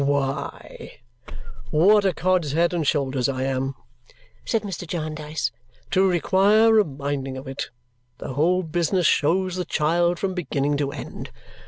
"Why, what a cod's head and shoulders I am," said Mr. Jarndyce, "to require reminding of it! The whole business shows the child from beginning to end.